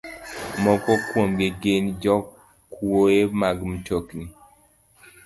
Moko kuomgi gin jokwoye mag mtokni,